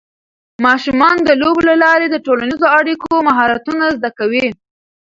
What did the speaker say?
ماشومان د لوبو له لارې د ټولنیزو اړیکو مهارتونه زده کوي.